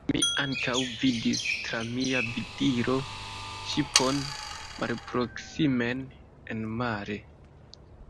Mi ankaŭ vidis tra mia vidilo ŝipon malproksimen enmare.